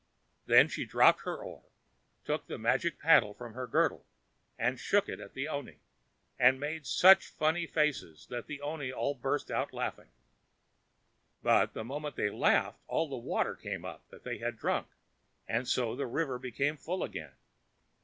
Then she dropped her oar, took the magic paddle from her girdle, and shook it at the oni, and made such funny faces that the oni all burst out laughing. But, the moment they laughed, all the water came up that they had drunk, and so the river became full again.